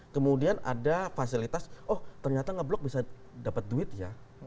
kemudian ada fasilitas oh ternyata nge blok bisa dapat duit ya